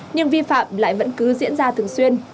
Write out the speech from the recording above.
nhưng vi phạm lại vẫn cứ diễn ra thường xuyên